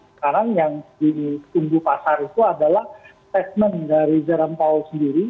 sekarang yang ditunggu pasar itu adalah statement dari jerome powell sendiri